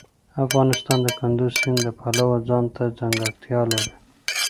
افغانستان د کندز سیند د پلوه ځانته ځانګړتیا لري.